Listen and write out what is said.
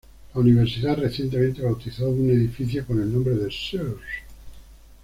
La Universidad recientemente bautizó una edificación con el nombre de Sears.